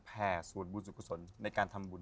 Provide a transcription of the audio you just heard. แพร่สวดบุญสุขสนในการทำบุญ